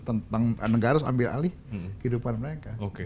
tentang negara harus ambil alih kehidupan mereka